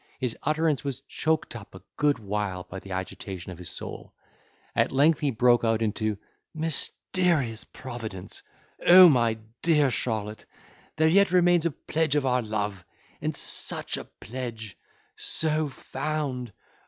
His utterance was choked up a good while by the agitation of his soul; at length he broke out into "Mysterious Providence!—O my dear Charlotte, there yet remains a pledge of our love! and such a pledge!—so found!